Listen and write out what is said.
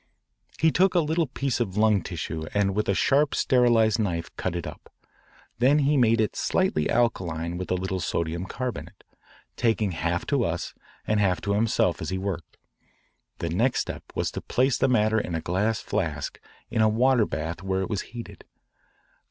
He took a little piece of lung tissue and with sharp sterilised knife cut it up. Then he made it slightly alkaline with a little sodium carbonate, talking half to us and half to himself as he worked. The next step was to place the matter in a glass flask in a water bath where it was heated.